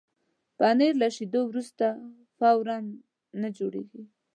پنېر له شیدو وروسته فوراً نه جوړېږي.